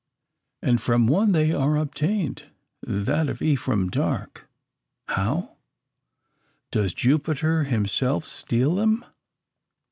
And from one they are obtained that of Ephraim Darke! How? Does Jupiter himself steal them?